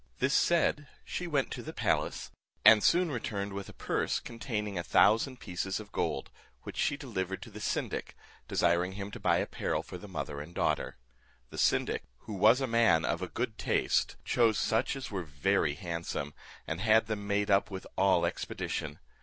This said, she went to the palace, and soon returned with a purse containing a thousand pieces of gold, which she delivered to the syndic, desiring him to buy apparel for the mother and daughter. The syndic, who was a man of a good taste, chose such as were very handsome, and had them made up with all expedition.